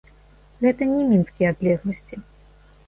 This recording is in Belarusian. Гэта не мінскія адлегласці.